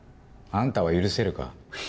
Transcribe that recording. あんたは許せるか？